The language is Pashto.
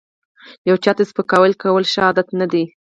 یو چاته سپکاوی کول ښه عادت نه دی